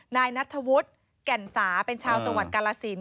นายนัทธวุฒิแก่นสาเป็นชาวจังหวัดกาลสิน